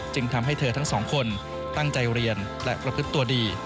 ทำให้เธอทั้งสองคนตั้งใจเรียนและประพฤติตัวดี